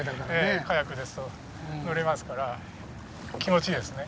ええカヤックですと乗れますから気持ちいいですね。